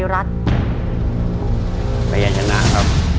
คุณยายแจ้วเลือกตอบจังหวัดนครราชสีมานะครับ